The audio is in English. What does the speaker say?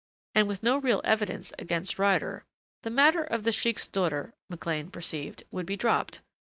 And with no real evidence against Ryder The matter of the sheik's daughter, McLean perceived, would be dropped.